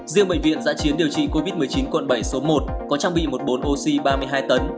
riêng bệnh viện giã chiến điều trị covid một mươi chín quận bảy số một có trang bị một bồn oxy ba mươi hai tấn